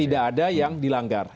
tidak ada yang dilanggar